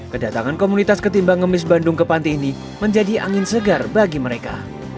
kedatangan komunitas ketimbang ngemis bandung ke panti ini menjadi angin segar bagi mereka